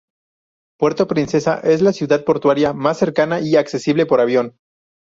Puerto Princesa es la ciudad portuaria más cercana, y es accesible por avión.